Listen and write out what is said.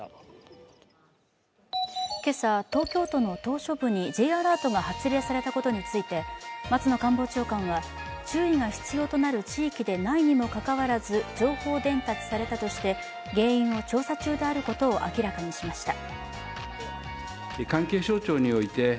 今朝、東京都の島しょ部にＪアラートが発令されたことについて松野官房長官は注意が必要となる地域でないにもかかわらず、情報伝達されたとして、原因を調査中であることを明らかにしました。